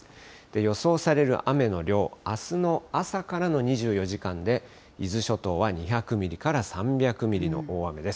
予想される雨の量、あすの朝からの２４時間で、伊豆諸島は２００ミリから３００ミリの大雨です。